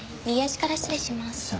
右足から失礼します。